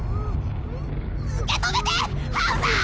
受け止めてハウザー！